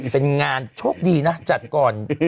เป็นงานโชคดีนะจัดก่อน